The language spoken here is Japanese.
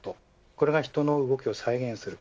これが人の動きを再現する。